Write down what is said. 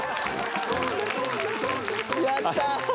やった。